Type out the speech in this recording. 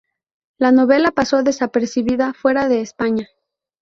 La novela pasó desapercibida fuera de españa.